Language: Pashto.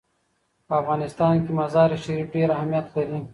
په افغانستان کې مزارشریف ډېر اهمیت لري.